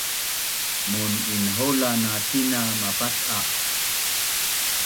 Mun’inhaulan na tina mapac’aq